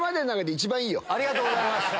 ありがとうございます！